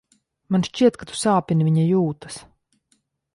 Man šķiet, ka tu sāpini viņa jūtas.